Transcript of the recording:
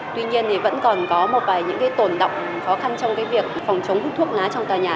tuy nhiên thì vẫn còn có một vài những tồn động khó khăn trong việc phòng chống hút thuốc lá trong tòa nhà